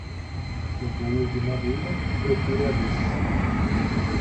No bolo de madeira, procure a vez.